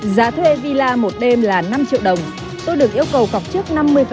giá thuê villa một đêm là năm triệu đồng tôi được yêu cầu cọc trước năm mươi